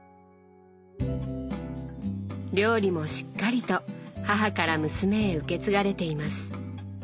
料理もしっかりと母から娘へ受け継がれています。